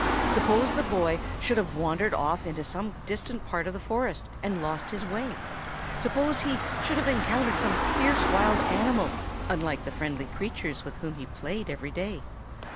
Suppose the boy should have wandered off into some distant part of the forest, and lost his way? Suppose he should have encountered some fierce wild beast, unlike the friendly creatures with whom he played every day?